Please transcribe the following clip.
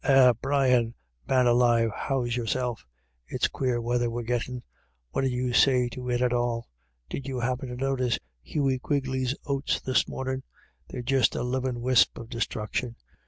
" Eh, Brian, man alive, how's your self? It's quare weather we're gittin' ; what d'you say to it at all ? Did you happin to notice Hughey Quigley's oats this mornin'? They're just a livin' wisp o' disthruction.